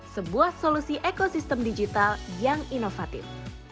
sebuah solusi ekosistem digital yang inovatif